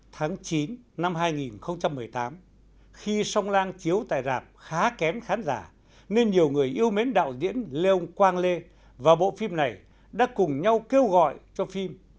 tháng chín năm hai nghìn một mươi tám khi song lang chiếu tại rạp khá kém khán giả nên nhiều người yêu mến đạo diễn lê ông quang lê và bộ phim này đã cùng nhau kêu gọi cho phim